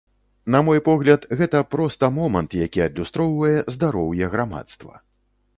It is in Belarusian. На мой погляд, гэта проста момант, які адлюстроўвае здароўе грамадства.